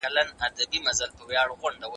سړي په خپلو لړزېدلو لاسونو درمل په جیب کې کېښودل.